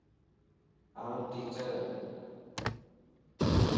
آن ٽيچر ائين